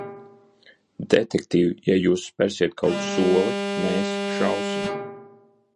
Detektīv, ja jūs spersiet kaut soli, mēs šausim!